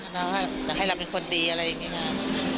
เราจะให้เราเป็นคนดีอะไรอย่างเงี้ย